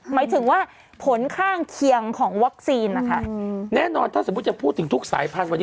หมายถึงว่าผลข้างเคียงของวัคซีนนะคะแน่นอนถ้าสมมุติจะพูดถึงทุกสายพันธุ์วันนี้